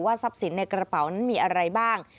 ทรัพย์สินในกระเป๋านั้นมีอะไรบ้าง